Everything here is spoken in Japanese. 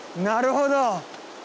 なるほど！